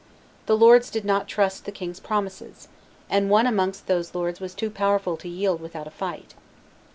The lords did not trust the king's promises; and one amongst those lords was too powerful to yield without a fight.